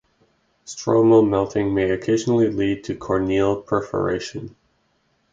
Stromal melting may occasionally lead to corneal perforation.